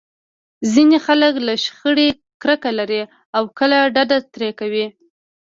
ځينې خلک له شخړې کرکه لري او کلکه ډډه ترې کوي.